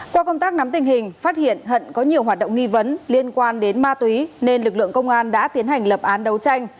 qua công tác nắm tình hình phát hiện hận có nhiều hoạt động nghi vấn liên quan đến ma túy nên lực lượng công an đã tiến hành lập án đấu tranh